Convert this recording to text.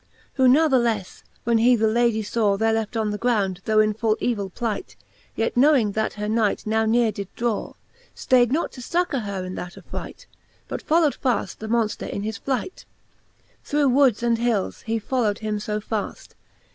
XXVI. Who natheleffe, when he the Lady faw There left on ground, though in full evil plight, Yet knowing that her Knight now neare did draw, Staide not to fuccour her in that affright. But follow'd faft the Monfter in his flight : Through woods and hils he follow'd him fo faft.